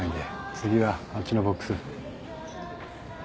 次はあっちのボックス。